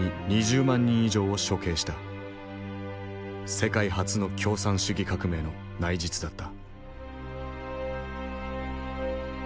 世界初の共産主義革命の内実だった。